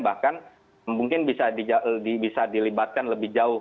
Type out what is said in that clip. bahkan mungkin bisa dilibatkan lebih jauh